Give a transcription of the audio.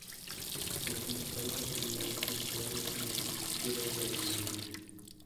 Las principales actividades sociales son la agricultura y la ganadería.